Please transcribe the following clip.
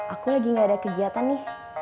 aku lagi gak ada kegiatan nih